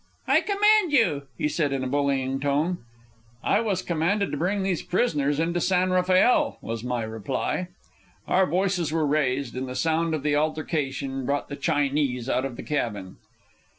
"I command you," he said in a bullying tone. "I was commanded to bring these prisoners into San Rafael," was my reply. Our voices were raised, and the sound of the altercation brought the Chinese out of the cabin.